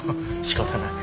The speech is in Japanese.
しかたない。